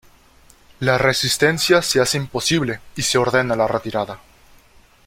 La resistencia se hace imposible y se ordena la retirada.